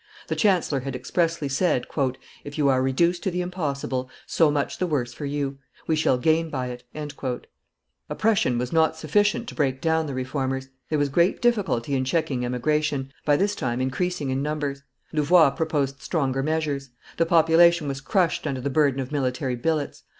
The chancellor had expressly said, "If you are reduced to the impossible, so much the worse for you; we shall gain by it." Oppression was not sufficient to break down the Reformers. There was great difficulty in checking emigration, by this time increasing in numbers. Louvois proposed stronger measures. The population was crushed under the burden of military billets.